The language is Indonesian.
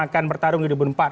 akan bertarung di dua ribu empat